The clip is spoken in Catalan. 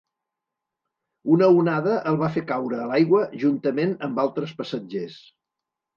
Una onada el va fer caure a l'aigua juntament amb altres passatgers.